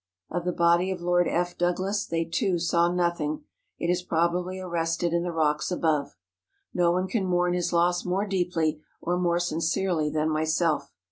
Of the body of Lord F. Doug¬ las they, too, saw nothing; it is probably arrested in the rocks above. No one can mourn his loss more deeply or more sincerely than myself.